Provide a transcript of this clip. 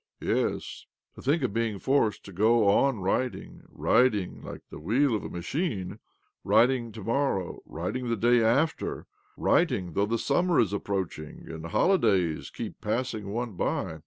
Yes, to think of being forced to go on writing, writing, like the wheel of a machine ^writing . to morrow, writing the day after, writing though the summer is approaching and holi days keep passing one by